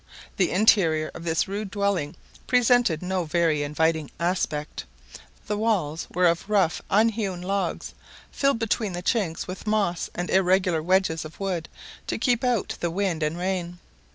The interior of this rude dwelling presented no very inviting aspect. The walls were of rough unhewn logs, filled between the chinks with moss and irregular wedges of wood to keep out the wind and rain.